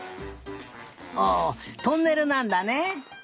おトンネルなんだね。